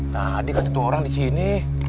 tadi kata orang di sini